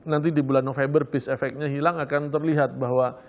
nanti di bulan november peace efeknya hilang akan terlihat bahwa